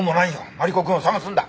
マリコくんを捜すんだ。